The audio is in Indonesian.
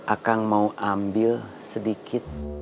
akang mau ambil sedikit